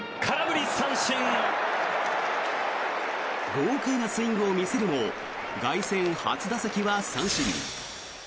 豪快なスイングを見せるも凱旋初打席は三振。